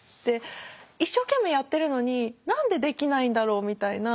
一生懸命やってるのに何でできないんだろうみたいな。